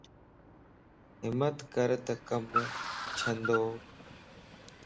ھمت ڪرتَ ڪم چھندو